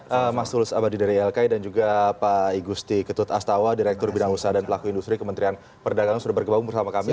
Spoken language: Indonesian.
pada saat ini ada pengalaman dari lki dan juga pak igusti ketut aztawa direktur bidang usaha dan pelaku industri kementerian perdagangan sudah berkembang bersama kami